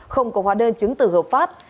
không có hóa đơn chứng từ hợp pháp